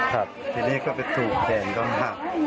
ครับทีนี้ก็ไปจูบแขนต้องหัก